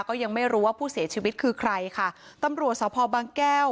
ก็ยังไม่รู้ว่าผู้เสียชีวิตคือใครค่ะตำรวจสภบางแก้ว